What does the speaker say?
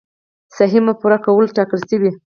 سهميه پوره کولو ټاکل شوي.